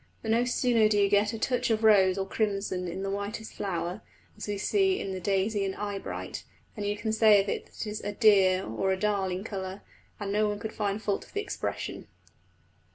But no sooner do you get a touch of rose or crimson in the whitest flower, as we see in the daisy and eyebright, than you can say of it that it is a "dear" or a "darling" colour, and no one can find fault with the expression.